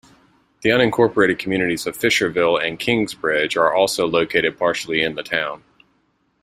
The unincorporated communities of Fisherville and Kingsbridge are also located partially in the town.